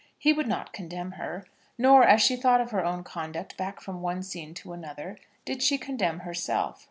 He would not condemn her. Nor, as she thought of her own conduct back from one scene to another, did she condemn herself.